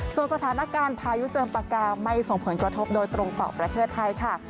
ส่วนสถานการณ์พายุเจิมปากกาไม่ส่งผลกระทบโดยตรงต่อประเทศไทยค่ะ